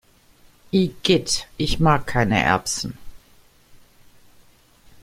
Igitt, ich mag keine Erbsen!